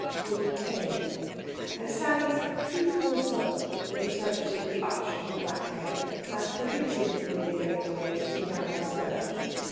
told a tale. And Sally's truthful soul interpreted the upshot of that tale as prohibitive of merely going away and sitting down elsewhere.